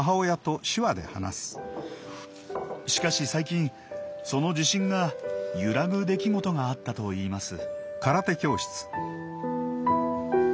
しかし最近その自信が揺らぐ出来事があったといいます。